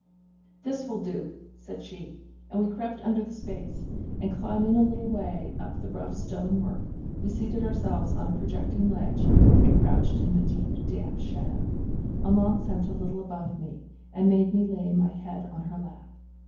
'This will do,' said she; and we crept under the space, and climbing a little way up the rough stonework, we seated ourselves on a projecting ledge, and crouched in the deep damp shadow. Amante sat a little above me, and made me lay my head on her lap.